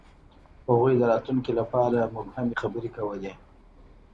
هغوی د راتلونکي لپاره مبهمې خبرې کولې.